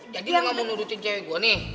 jadi lo gak mau nudutin cewe gue nih